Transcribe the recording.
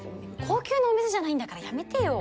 高級なお店じゃないんだからやめてよ。